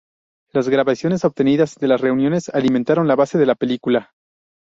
Las grabaciones obtenidas de las reuniones alimentaron la base de la película.